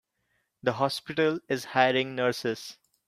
The hospital is hiring nurses.